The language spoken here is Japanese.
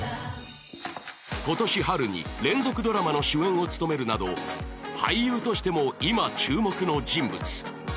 今年春に連続ドラマの主演を務めるなど、俳優としても今、注目の人物。